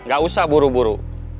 gak usah buru buru